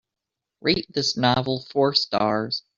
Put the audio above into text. rate this novel four stars